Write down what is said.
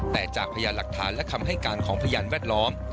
แต่จากพยานหลักฐานและคำให้การของพยานแวดล้อม